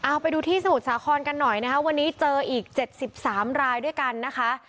เอาไปดูที่สมุทรสาครกันหน่อยนะคะวันนี้เจออีก๗๓รายด้วยกันนะคะ